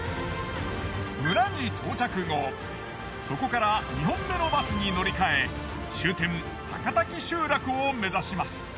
村に到着後そこから２本目のバスに乗り換え終点高滝集落を目指します。